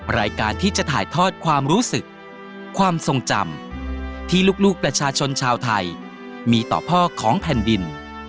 รายการที่จะถ่ายทอดความรู้สึกความทรงจำที่ลูกประชาชนชาวไทยมีต่อพ่อของแผ่นดิน